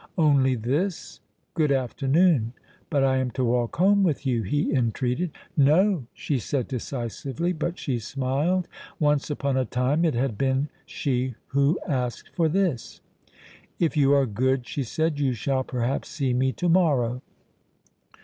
"Only this. Good afternoon." "But I am to walk home with you," he entreated. "No," she said decisively; but she smiled: once upon a time it had been she who asked for this. "If you are good," she said, "you shall perhaps see me to morrow."